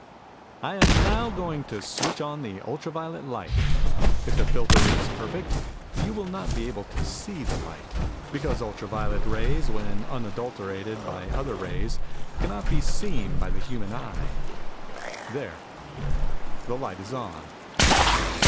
"I am now going to switch on the ultra violet light. If the filter is perfect, you will not be able to see the light, because ultra violet rays, when unadulterated by other rays, cannot be seen by the human eye. There. The light is on.